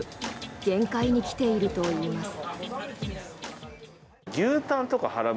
限界に来ているといいます。